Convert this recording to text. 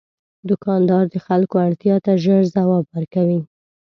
دوکاندار د خلکو اړتیا ته ژر ځواب ورکوي.